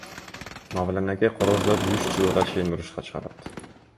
Мавлян аке короздорду үч жылга чейин урушка чыгарат.